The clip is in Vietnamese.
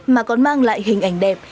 mà còn mang lại hình ảnh đẹp